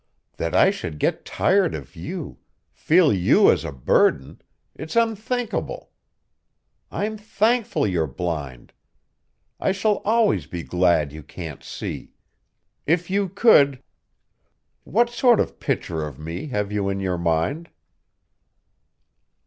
That I should get tired of you, feel you as a burden it's unthinkable. I'm thankful you're blind. I shall always be glad you can't see. If you could what sort of picture of me have you in your mind?"